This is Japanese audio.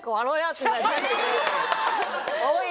おい！